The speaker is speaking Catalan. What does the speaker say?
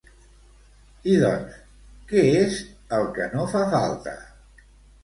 I doncs, què és el que no fa falta?